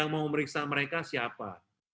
mau memeriksa mereka siapa